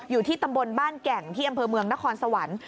อยู่ที่ตำบลบ้านแก่งที่อำเภอเมืองนครสวรรค์